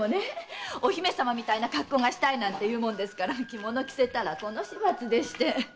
お姫様みたいな格好がしたいなんて言うものですから着物着せたらこの始末でして。